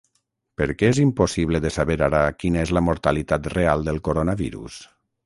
Per què és impossible de saber ara quina és la mortalitat real del coronavirus?